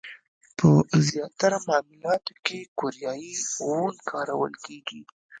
په زیاتره معاملاتو کې کوریايي وون کارول کېږي.